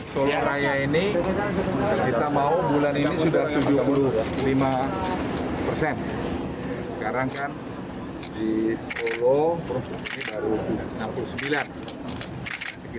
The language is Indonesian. solo raya ini kita mau bulan ini sudah tujuh puluh lima persen